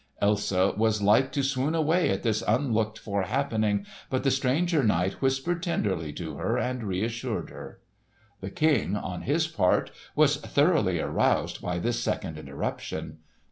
Elsa was like to swoon away at this unlooked for happening. But the stranger knight whispered tenderly to her and reassured her. The King, on his part, was thoroughly aroused by this second interruption.